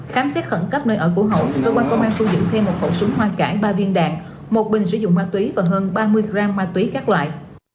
khám xét khẩn cấp nơi ở của hậu cơ quan công an thu giữ thêm một khẩu súng hoa cải ba viên đạn một bình sử dụng ma túy và hơn ba mươi gram ma túy các loại